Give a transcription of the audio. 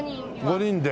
５人で。